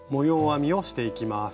編みをしていきます。